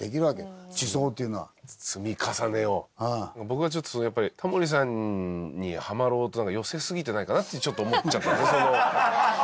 僕はちょっとやっぱりタモリさんにハマろうと寄せすぎてないかなってちょっと思っちゃったんでその。